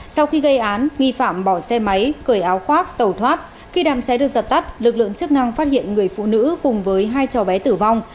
sau khi gây án nghi phạm bỏ xe máy cởi áo khoác tàu thoát khi đàm cháy được giật tắt lực lượng chức năng phát hiện người phụ nữ cùng với hai cháu bé tử vong